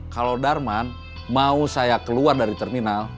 kalau darman mau saya keluar dari terminal